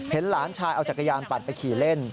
เห็นหลานชายเอาจักรยานปั่นไปขี่เล่น